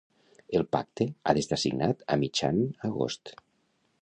El pacte ha d'estar signat a mitjan Agost.